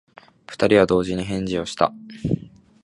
二人は同時に返事をした。